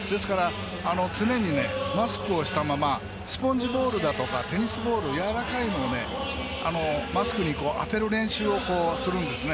常にマスクをしたままスポンジボールだとかテニスボール、やわらかいのをマスクに当てる練習をするんです。